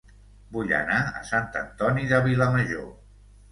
Vull anar a Sant Antoni de Vilamajor